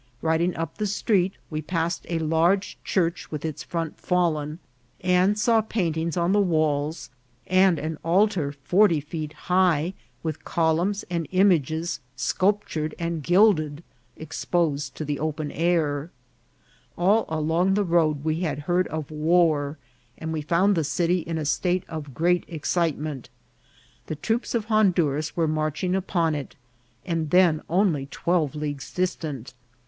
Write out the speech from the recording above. Riding up the street, we passed a large church with its front fallen, and saw paintings on the walls, and an altar forty feet high, with columns, and images sculptured and gilded, exposed to the open SANMIGUEL. 43 air. All along the road we had heard of war, and we found the city in a state of great excitement. The troops of Honduras were marching upon it, and then only twelve leagues distant.